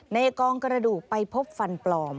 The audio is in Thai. กองกระดูกไปพบฟันปลอม